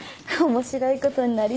面白いことになりそう。